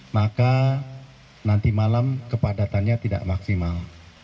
maka nanti malam kepadatannya tidak maksimal